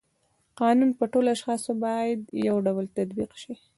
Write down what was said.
قانون په ټولو اشخاصو باید یو ډول تطبیق شي.